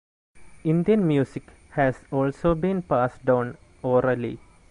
Indian music has also been passed on orally.